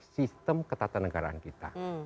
sistem ketatanegaraan kita